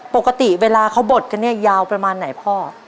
ปกติเวลาเขาบดกันเนี่ยยาวประมาณไหนพ่อ